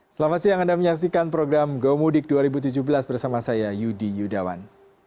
selamat siang anda menyaksikan program gomudik dua ribu tujuh belas bersama saya yudi yudawan